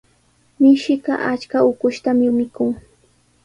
Mishiqa achka ukushtami mikun.